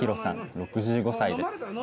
６５歳です。